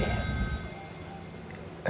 riki masih hidup